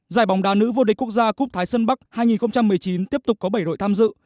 giải bóng đá nữ vô địch quốc gia cúp thái sơn bắc hai nghìn một mươi chín tiếp tục có bảy đội tham dự